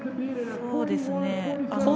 そうですね。